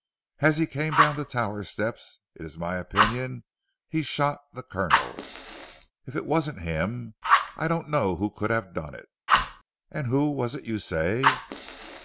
As he came down the tower steps, it is my opinion he shot the Colonel. If it wasn't him I don't know who could have done it." "And who was it you say?"